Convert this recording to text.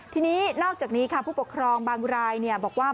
ทีนี้นอกจากนี้ค่ะผู้ปกครองบางรายบอกว่า